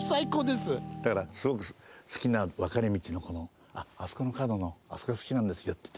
すごく好きな分かれ道のあそこの角のあそこが好きなんですよって。